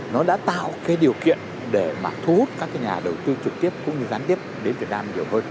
nó đã tạo cái điều kiện để mà thu hút các cái nhà đầu tư trực tiếp cũng như gián tiếp đến việt nam nhiều hơn